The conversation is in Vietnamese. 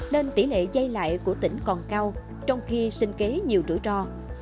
nên tỷ lệ dây lại của tỉnh còn cao trong khi sinh kế nhiều rủi ro